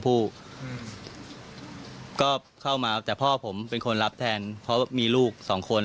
ผู้ก็เข้ามาแต่พ่อผมเป็นคนรับแทนเพราะมีลูกสองคน